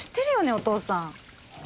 お父さん。